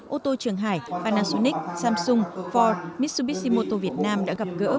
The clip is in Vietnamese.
ô tô trường hải panasonic samsung ford mitsubishi moto việt nam đã gặp gỡ